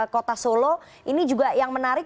kota solo ini juga yang menarik